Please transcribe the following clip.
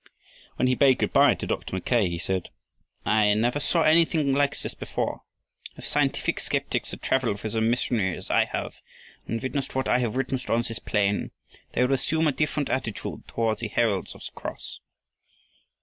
When he bade good by to Dr. Mackay, he said: "I never saw anything like this before. If scientific skeptics had traveled with a missionary as I have and witnessed what I have witnessed on this plain, they would assume a different attitude toward the heralds of the cross."